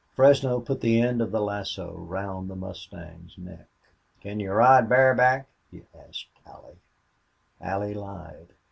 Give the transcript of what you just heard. Fresno put the end of the lasso round the mustang's neck. "Can you ride bareback?" he asked Allie. Allie lied.